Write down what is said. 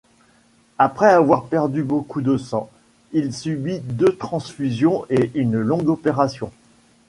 Après avoir perdu beaucoup de sang, il subit deux transfusions et une longue opération.